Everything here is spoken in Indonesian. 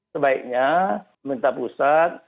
sebaiknya pemerintah pusat